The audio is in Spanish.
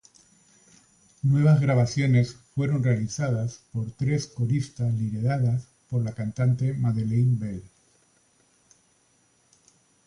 Nuevas grabaciones fueron realizadas por tres coristas lideradas por la cantante Madeline Bell.